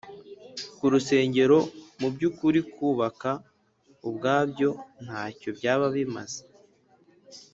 ku rusengero Mu by ukuri kubaka ubwabyo nta cyo byaba bimaze